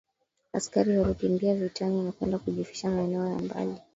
askari walikimbia vitani na kwenda kujificha maeneo ya mbali